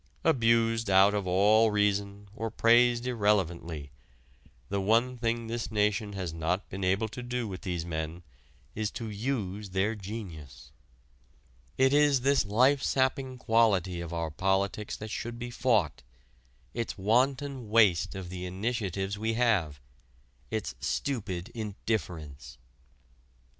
Abused out of all reason or praised irrelevantly the one thing this nation has not been able to do with these men is to use their genius. It is this life sapping quality of our politics that should be fought its wanton waste of the initiatives we have its stupid indifference.